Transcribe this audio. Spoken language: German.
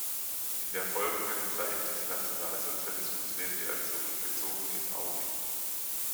In der folgenden Zeit des Nationalsozialismus lebte er zurückgezogen in Aurich.